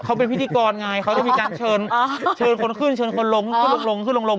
เขาเป็นพิธีกรไงเขาจะมีการเชิญเชิญคนขึ้นเชิญคนลงเขาลงขึ้นลงลง